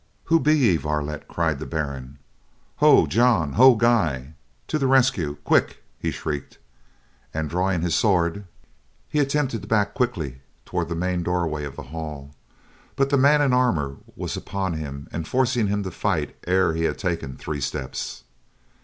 "Who be ye, varlet?" cried the Baron. "Ho, John! Ho, Guy! To the rescue, quick!" he shrieked, and drawing his sword, he attempted to back quickly toward the main doorway of the hall; but the man in armor was upon him and forcing him to fight ere he had taken three steps.